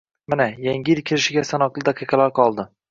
Mana, Yangi yil kirishiga sanoqli daqiqalar qoldi